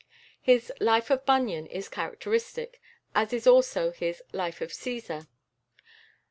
His "Life of Bunyan" is characteristic, as is also his "Life of Cæsar."